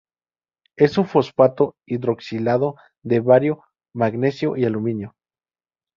Es un fosfato hidroxilado de bario, magnesio y aluminio.